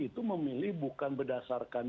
itu memilih bukan berdasarkan